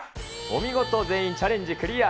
お見事、全員チャレンジクリア。